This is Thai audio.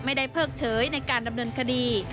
ไม่ได้เพิกเฉยในการดำเนินคดี